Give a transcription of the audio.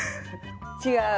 違う。